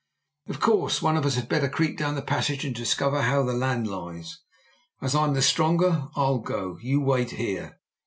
"Of course. One of us had better creep down the passage and discover how the land lies. As I'm the stronger, I'll go. You wait here."